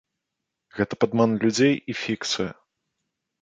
Гэта падман людзей і фікцыя.